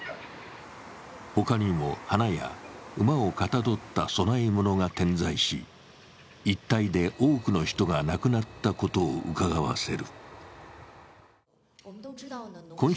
他にも花や馬をかたどった供え物が点在し、一帯で多くの人が亡くなったことをうかがわせる。